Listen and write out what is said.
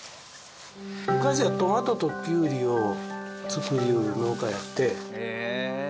昔はトマトとキュウリを作りよる農家やって。